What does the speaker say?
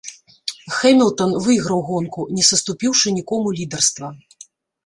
Хэмілтан выйграў гонку, не саступіўшы нікому лідарства.